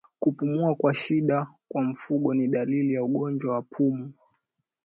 Kupumua kwa shida kwa mfugo ni dalili ya ugonjwa wa pumu